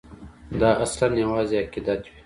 دا اصلاً یوازې عقیدت وي.